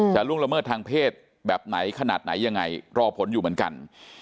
ล่วงละเมิดทางเพศแบบไหนขนาดไหนยังไงรอผลอยู่เหมือนกัน